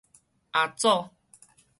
阿祖